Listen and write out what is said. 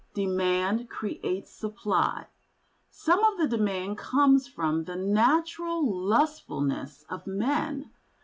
Demand creates supply. Some of the demand comes from the natural lustfulness of men.